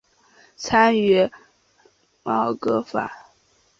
参与戊戌变法。